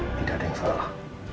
tidak ada yang salah